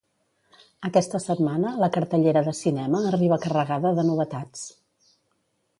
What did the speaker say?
Aquesta setmana la cartellera de cinema arriba carregada de novetats.